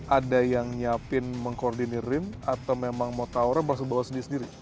ada yang menyiapkan mengkoordinir rim atau memang mau tauran baru bawa sendiri sendiri